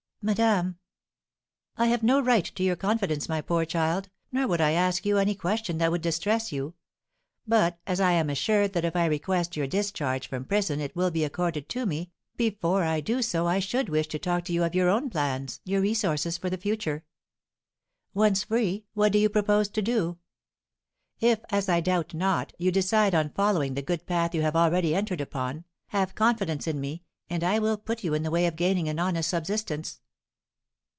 "Madame " "I have no right to your confidence, my poor child, nor would I ask you any question that would distress you; but, as I am assured that if I request your discharge from prison it will be accorded to me, before I do so I should wish to talk to you of your own plans, your resources for the future. Once free, what do you propose to do? If, as I doubt not, you decide on following the good path you have already entered upon, have confidence in me, and I will put you in the way of gaining an honest subsistence."